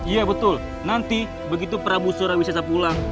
iya betul nanti begitu prabu surawi sesa pulang